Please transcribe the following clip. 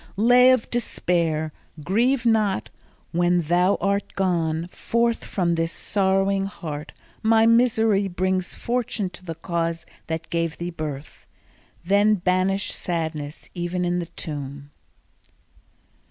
Lay of despair, grieve not when thou art gone Forth from this sorrowing heart: my misery Brings fortune to the cause that gave thee birth; Then banish sadness even in the tomb.